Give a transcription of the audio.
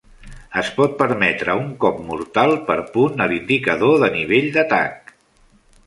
Es pot permetre un cop mortal per punt a l'indicador de nivell d'atac.